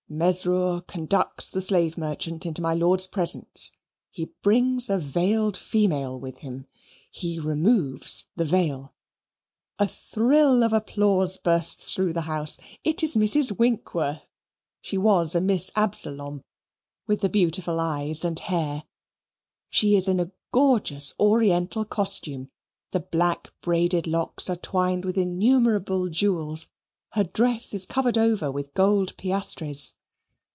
Mesrour conducts the slave merchant into my lord's presence; he brings a veiled female with him. He removes the veil. A thrill of applause bursts through the house. It is Mrs. Winkworth (she was a Miss Absolom) with the beautiful eyes and hair. She is in a gorgeous oriental costume; the black braided locks are twined with innumerable jewels; her dress is covered over with gold piastres.